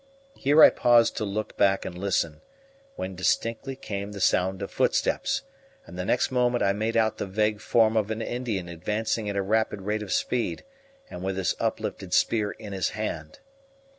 Here I paused to look back and listen, when distinctly came the sound of footsteps, and the next moment I made out the vague form of an Indian advancing at a rapid rate of speed and with his uplifted spear in his hand.